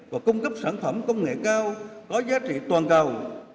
và cung cấp sản phẩm công nghệ cao có giá trị toàn cầu